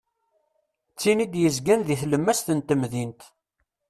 D tin i d-yezgan deg tlemmast n temdint.